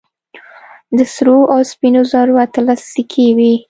د سرو او سپينو زرو اتلس سيکې وې.